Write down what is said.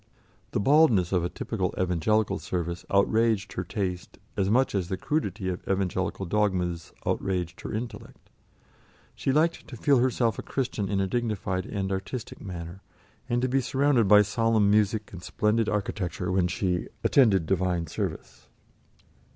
The baldness of a typical Evangelical service outraged her taste as much as the crudity of Evangelical dogmas outraged her intellect; she liked to feel herself a Christian in a dignified and artistic manner, and to be surrounded by solemn music and splendid architecture when she "attended Divine service."